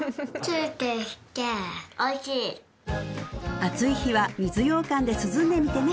うん暑い日は水ようかんで涼んでみてね